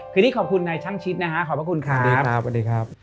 คือที่ขอบคุณในช่างชิดนะฮะขอบพระคุณครับ